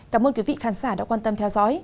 cảm ơn quý vị khán giả đã quan tâm theo dõi